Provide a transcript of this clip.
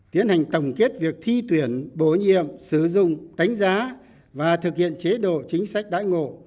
tiến hành tổng kết việc thi tuyển bổ nhiệm sử dụng đánh giá và thực hiện chế độ chính sách đãi ngộ